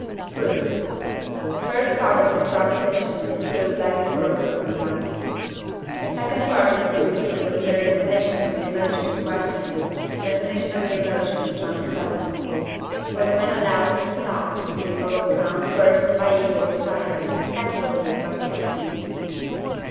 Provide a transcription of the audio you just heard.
Proof. The first part of this proposition is proved like the foregoing one. The second part is proved from the mere definition of the emotion in question (Def. of the Emotions, xxvii.). For the man allows himself to be overcome, first, by evil desires; secondly, by pain.